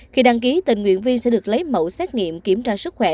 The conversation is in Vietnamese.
khi đăng ký tình nguyện viên sẽ được lấy mẫu xét nghiệm kiểm tra sức khỏe